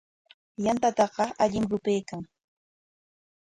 Yantataqa allim rupaykan.